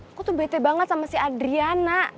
aku tuh bete banget sama si adriana